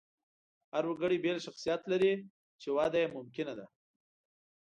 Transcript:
هر وګړی بېل شخصیت لري، چې وده یې ممکنه ده.